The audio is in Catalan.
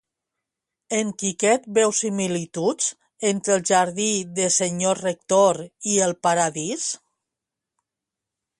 En Quiquet veu similituds entre el jardí de senyor rector i el paradís?